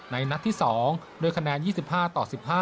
นัดที่๒ด้วยคะแนน๒๕ต่อ๑๕